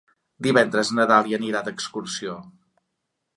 Divendres na Dàlia anirà d'excursió.